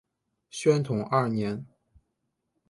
宣统二年。